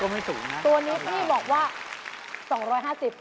๑๙๙บาทตัวนี้พี่บอกว่า๒๕๐บาท